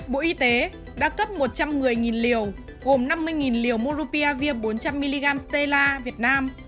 bộ y tế đã cấp một trăm một mươi liều gồm năm mươi liều monopiravir bốn trăm linh mg stella việt nam